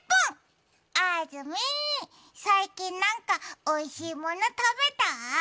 あずみ、最近なんか、おいしいもの食べた？